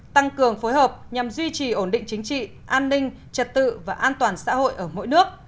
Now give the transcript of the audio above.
tăng cường phối hợp nhằm duy trì ổn định chính trị an ninh trật tự và an toàn xã hội ở mỗi nước